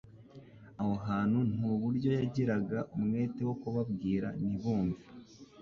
aho hantu n'uburyo yagiraga umwete wo kubabwira ntibumve,